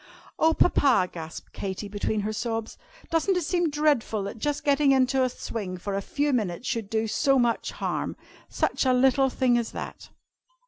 "Oh, Papa!" gasped Katy, between her sobs, "doesn't it seem dreadful, that just getting into the swing for a few minutes should do so much harm? Such a little thing as that!"